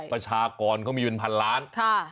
ประชากรเขามีเป็นพันล้าน